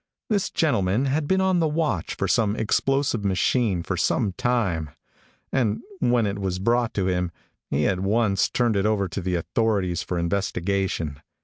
This gentleman had been on the watch for some explosive machine for some time, and when it was brought to him, he at once turned it over to the authorities for investigation.